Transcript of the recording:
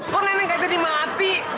kok nenek gak jadi mati